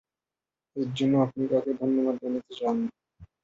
এর জন্য আপনি কাকে ধন্যবাদ জানাতে চান?